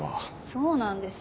そうなんです。